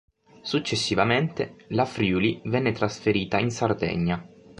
Successivamente la "Friuli" venne trasferita in Sardegna.